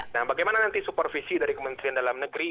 nah bagaimana nanti supervisi dari kementerian dalam negeri